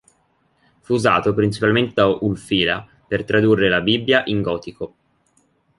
Fu usato principalmente da Ulfila per tradurre la Bibbia in gotico.